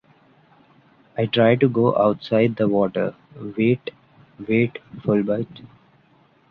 i try to go outside the water--wait, wait Fulbert.